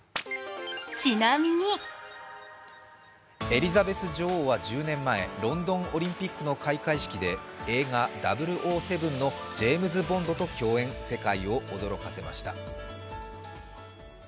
エリザベス女王は１０年前ロンドンオリンピックの開会式で映画「００７」のジェームズ・ボンドと共演、世界を驚かせました。